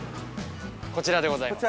こちらでございます。